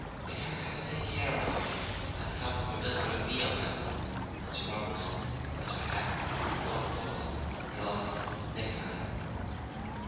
We have had to take care of you and help you remember your meal times, and your rubbers, and your hat, and overcoat and gloves and necktie.